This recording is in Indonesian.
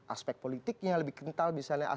aspek politiknya lebih kental